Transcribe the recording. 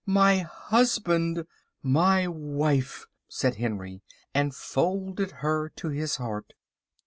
"My husband!" "My wife," said Henry, and folded her to his heart.